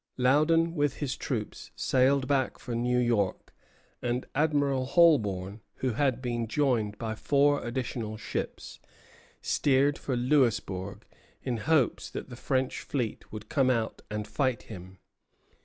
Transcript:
Loudon with his troops sailed back for New York, and Admiral Holbourne, who had been joined by four additional ships, steered for Louisbourg, in hopes that the French fleet would come out and fight him.